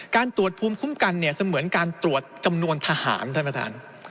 การตรวจภูมิคุ้มกันเนี่ยเสมือนการตรวจจำนวนทหารท่านประธาน